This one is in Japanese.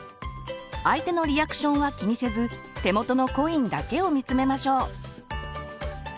相手のリアクションは気にせず手元のコインだけを見つめましょう。